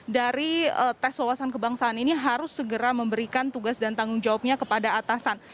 dari tes wawasan kebangsaan ini harus segera memberikan tugas dan tanggung jawabnya kepada atasan